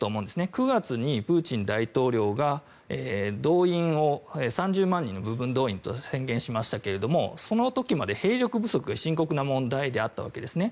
９月にプーチン大統領が３０万人の部分動員と宣言しましたけれどその時まで兵力不足が深刻な問題であったわけですね。